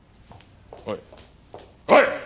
おいおい！